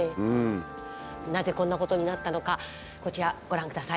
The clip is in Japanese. なぜこんなことになったのかこちらご覧ください。